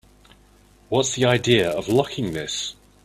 What's the idea of locking this?